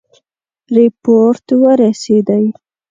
رپوټ ورسېدی.